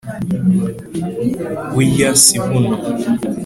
Burya si buno.